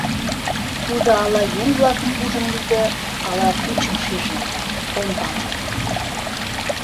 Тудо ала еҥ-влакым ужын лӱдӧ, ала пӱчым шиже — ом пале.